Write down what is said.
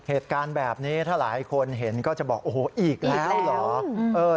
เหตุการณ์แบบนี้ถ้าหลายคนเห็นก็จะบอกโอ้โหอีกแล้วเหรอ